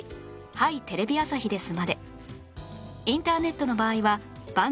『はい！テレビ朝日です』